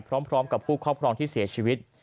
พร้อมกับผู้ครอบครองที่เสียชีวิต